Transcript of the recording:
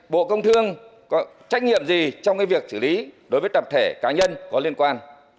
bộ công thương có trách nhiệm gì trong việc xử lý đối với tập thể cá nhân có liên quan